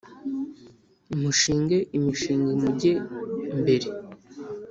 mushinge imishinga mujye mbere